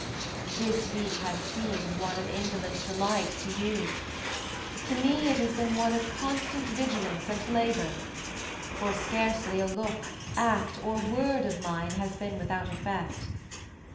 This week has seemed one of indolent delight to you. To me it has been one of constant vigilance and labor, for scarcely a look, act, or word of mine has been without effect.